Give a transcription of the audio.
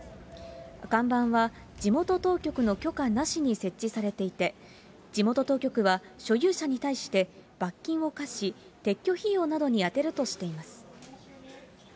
看板は地元当局の許可なしに設置されていて、地元当局は、所有者に対して罰金を科し、撤去費用などに充てるとしています。